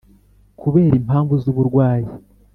kubera impamvu z uburwayi